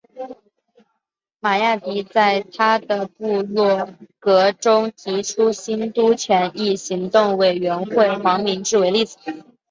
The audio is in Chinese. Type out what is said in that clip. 马哈迪在他的部落格中提出兴都权益行动委员会及黄明志为例子。